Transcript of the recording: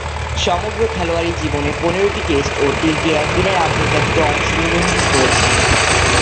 সমগ্র খেলোয়াড়ী জীবনে পনেরোটি টেস্ট ও তিনটি একদিনের আন্তর্জাতিকে অংশগ্রহণ করেছেন।